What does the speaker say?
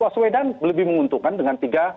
wedan lebih menguntungkan dengan tiga